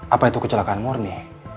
apa itu kecelakaan murni